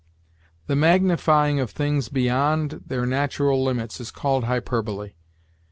The magnifying of things beyond their natural limits is called hyperbole.